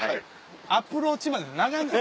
アプローチまで長ない？